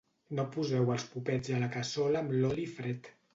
No poseu els popets a la cassola amb l'oli fred.